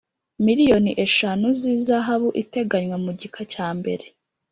miliyoni eshanu z ihazabu iteganywa mu gika cya mbere